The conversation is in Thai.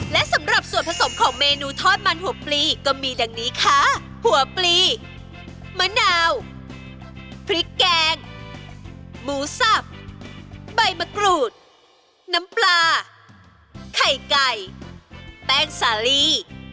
และสำหรับส่วนผสมของเมนูทอดมันหัวปลีก็มีดังนี้ค่ะหัวปลีมะนาวพริกแกงหมูสับใบมะกรูดน้ำปลาไข่ไก่แป้งสาลี